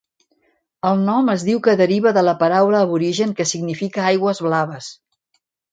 El nom es diu que deriva de la paraula aborigen que significa 'aigües blaves'.